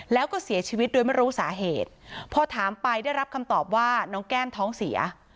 แล้วก็เสียชีวิตโดยไม่รู้สาเหตุพอถามไปได้รับคำตอบว่าน้องแก้มท้องเสีย